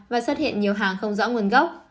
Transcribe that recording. và xuất hiện nhiều hàng không rõ nguồn gốc